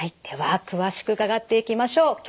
では詳しく伺っていきましょう。